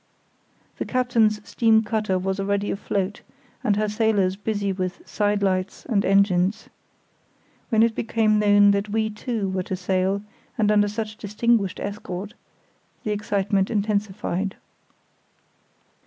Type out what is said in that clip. The captain's steam cutter was already afloat, and her sailors busy with sidelights and engines. When it became known that we, too, were to sail, and under such distinguished escort, the excitement intensified.